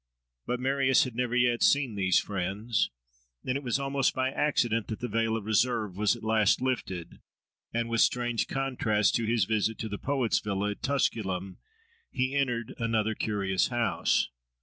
But Marius had never yet seen these friends; and it was almost by accident that the veil of reserve was at last lifted, and, with strange contrast to his visit to the poet's villa at Tusculum, he entered another curious house.